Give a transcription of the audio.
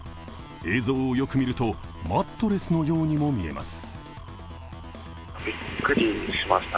映像をよく見るとマットレスのようにも見えます。